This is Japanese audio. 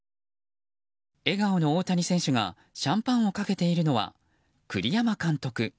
笑顔の大谷選手がシャンパンをかけているのは栗山監督。